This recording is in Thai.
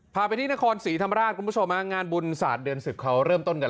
พาไปที่นครศรีธรรมราชคุณผู้ชมฮะงานบุญศาสตร์เดือน๑๐เขาเริ่มต้นกัน